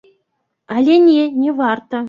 Але не, не варта.